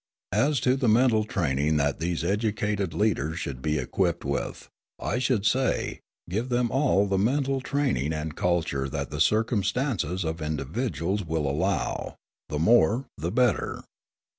As to the mental training that these educated leaders should be equipped with, I should say, Give them all the mental training and culture that the circumstances of individuals will allow, the more, the better.